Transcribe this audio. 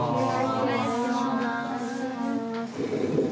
お願いします。